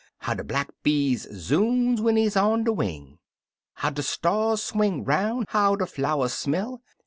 How de black bee zoons when he's on de wing. How de stars swing roun', how de flowers smell.